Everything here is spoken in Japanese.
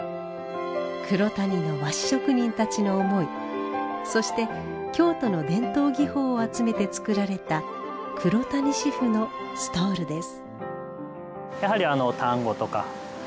黒谷の和紙職人たちの思いそして京都の伝統技法を集めて作られた黒谷紙布のストールです。